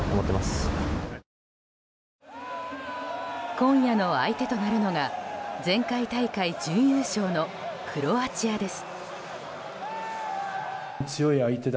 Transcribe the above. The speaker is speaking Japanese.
今夜の相手となるのが前回大会準優勝のクロアチアです。